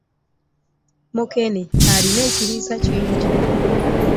Mukene alimu ekirisa kyingi.